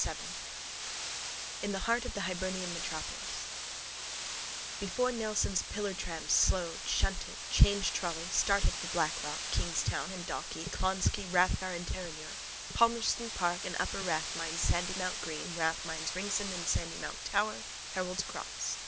[ 7 ] IN THE HEART OF THE HIBERNIAN METROPOLIS Before Nelson's pillar trams slowed, shunted, changed trolley, started for Blackrock, Kingstown and Dalkey, Clonskea, Rathgar and Terenure, Palmerston Park and upper Rathmines, Sandymount Green, Rathmines, Ringsend and Sandymount Tower, Harold's Cross.